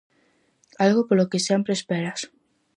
Algo polo que sempre esperas.